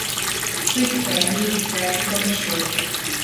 Gweithiai'n ddieithriad i gomisiwn.